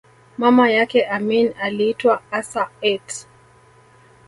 Mama yake Amin aliitwa Assa Aatte